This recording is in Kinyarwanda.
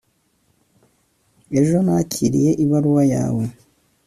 ejo nakiriye ibaruwa yawe